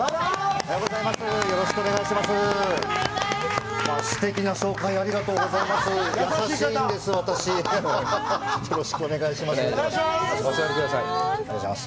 おはようございます。